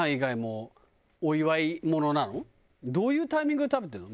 どういうタイミングで食べてるの？